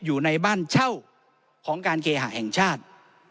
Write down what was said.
อยู่ในบ้านเช่าของการเคหะแห่งชาติ